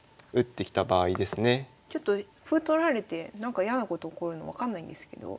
ちょっと歩取られてなんか嫌なこと起こるの分かんないんですけど。